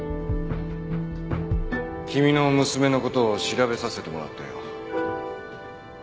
君の娘の事を調べさせてもらったよ。